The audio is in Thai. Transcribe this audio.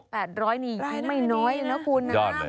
๘๐๐บาทนี่ยังไม่น้อยนะคุณนะ